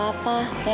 ya aku juga mau kerja